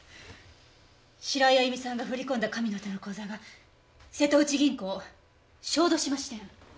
白井亜由美さんが振り込んだ神の手の口座が瀬戸内銀行小豆島支店。